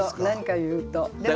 何か言うと。